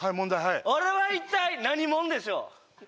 俺は一体何者でしょう？